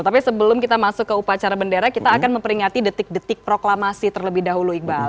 tapi sebelum kita masuk ke upacara bendera kita akan memperingati detik detik proklamasi terlebih dahulu iqbal